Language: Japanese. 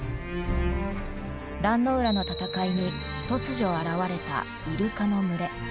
壇ノ浦の戦いに突如現れたイルカの群れ。